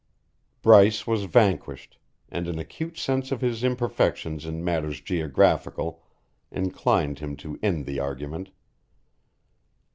Bryce was vanquished, and an acute sense of his imperfections in matters geographical inclined him to end the argument.